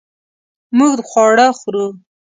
مونږ خواړه خورو